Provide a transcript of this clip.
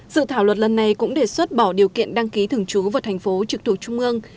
dự thảo luật lần này cũng đề xuất bỏ điều kiện đăng ký thường trú vào thành phố trực thuộc trung ương